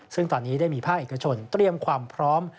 ซึ่งตอนนี้ได้มีภาคเอกชนเตรียมความพร้อม